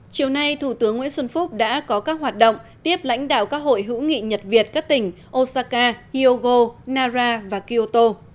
chiều nay thủ tướng nguyễn xuân phúc đã có các hoạt động tiếp lãnh đạo các hội hữu nghị nhật việt các tỉnh osaka hyogo nara và kyoto